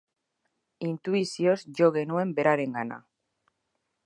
Intuizioz jo genuen berarengana.